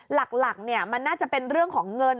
หลักมันน่าจะเป็นเรื่องของเงิน